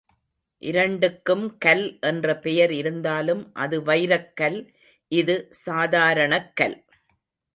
இரண்டுக்கும் கல் என்ற பெயர் இருந்தாலும் அது வைரக் கல் இது சாதாரணக் கல்.